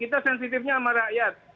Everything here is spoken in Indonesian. kita sensitifnya sama rakyat